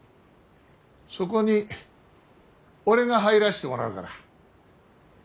そこに俺が入らしてもらうから。